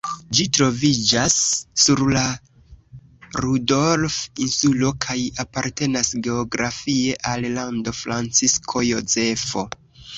Ĝi troviĝas sur la Rudolf-insulo kaj apartenas geografie al Lando Francisko Jozefo.